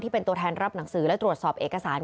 เป็นตัวแทนรับหนังสือและตรวจสอบเอกสาร